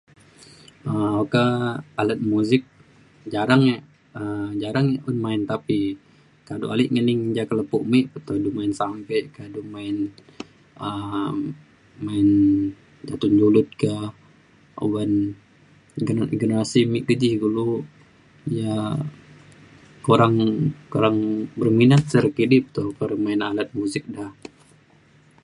um oka alat muzik jarang e um jarang e un main tapi kado ale ngening ja ka lepo me keto ilu main sampe ka du main um main datun julud ka uban generasi generasi me kidi kulu ja kurang kurang berminat se re kidi pe to main alat muzik da.